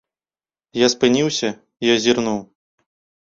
Я спыніўся і азірнуў.